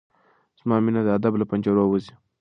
زما مينه د ادب له پنجرو وځي